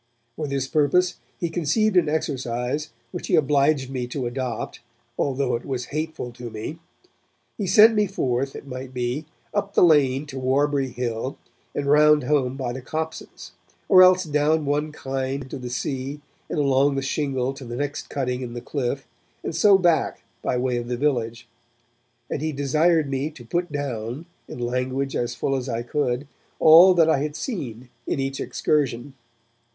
For this purpose he conceived an exercise which he obliged me to adopt, although it was hateful to me. He sent me forth, it might be, up the lane to Warbury Hill and round home by the copses; or else down one chine to the sea and along the shingle to the next cutting in the cliff, and so back by way of the village; and he desired me to put down, in language as full as I could, all that I had seen in each excursion.